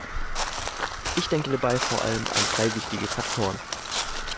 Ich denke dabei vor allem an drei wichtige Faktoren.